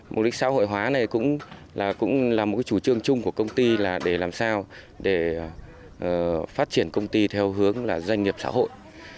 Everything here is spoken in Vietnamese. mục đích xã hội hóa này cũng là cũng là một chủ trương chung của công ty là để làm sao để phát triển công ty theo hướng là doanh nghiệp xã hội